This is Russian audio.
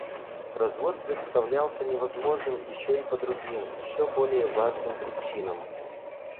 Развод представлялся невозможным еще и по другим, еще более важным причинам.